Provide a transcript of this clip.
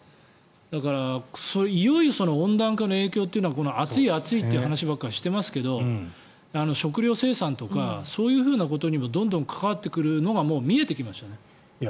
だから、いよいよ温暖化の影響というのが暑い、暑いという話ばかりしていますけど食料生産とかそういうことにもどんどん関わってくるのがもう見えてきましたね。